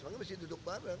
makanya mesti duduk bareng